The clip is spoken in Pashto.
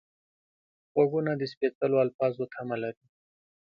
غوږونه د سپېڅلو الفاظو تمه لري